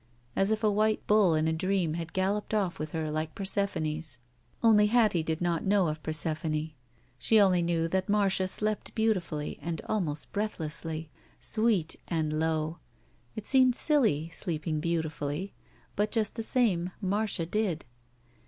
As if a white bull in a dream had galloped off with her like Persephone's. Only Hattie did not know of Persephone. She only knew that Marda slept beautifully and almost breathlessly. Sweet and low. It seemed silly, sleeping beautifully. But just the same, Marcia did.